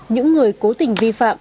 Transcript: những người cố tình vi phạm